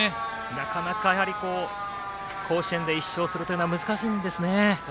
なかなか、やはり甲子園で１勝するというのは難しいんですね。